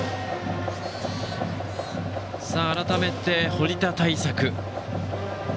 改めて、堀田対策。